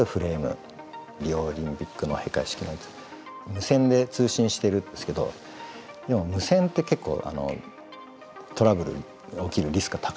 無線で通信してるんですけどでも無線って結構トラブル起きるリスクが高いんですね。